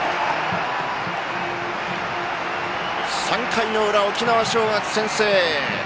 ３回の裏、沖縄尚学先制！